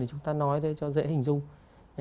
chúng ta nói thế cho dễ hình dung